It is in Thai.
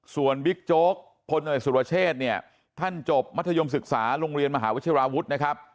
ส่วนวิกโจ๊กพลสุรเชษท่านจบมัธยมศึกษาโรงเรียนมหาวิชาวราวุฒิ์นะครับ